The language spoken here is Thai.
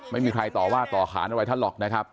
ไม่มีใครต่อว่าต่อขานอะไรท่านหรอกนะครับ